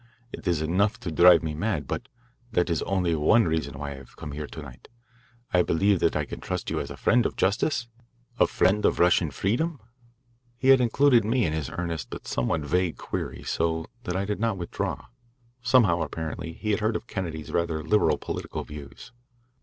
It is enough to drive me mad. But that is only one reason why I have come here to night. I believe that I can trust you as a friend of justice a friend of Russian freedom?" He had included me in his earnest but somewhat vague query, so that I did not withdraw. Somehow, apparently, he had heard of Kennedy's rather liberal political views.